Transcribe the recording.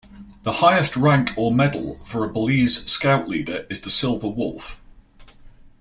The highest rank or medal for a Belize Scout Leader is the "Silver Wolf".